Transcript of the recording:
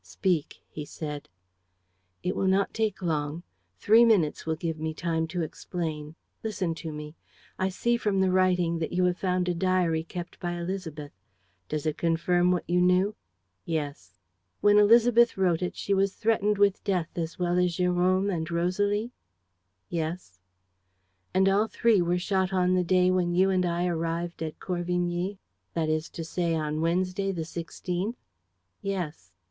"Speak," he said. "It will not take long. Three minutes will give me time to explain. Listen to me. I see, from the writing, that you have found a diary kept by Élisabeth. Does it confirm what you knew?" "Yes." "When Élisabeth wrote it, was she threatened with death as well as Jérôme and Rosalie?" "Yes." "And all three were shot on the day when you and I arrived at Corvigny, that is to say, on Wednesday, the sixteenth?" "Yes."